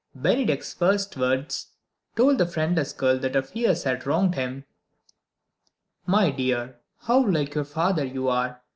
Bennydeck's first words told the friendless girl that her fears had wronged him. "My dear, how like your father you are!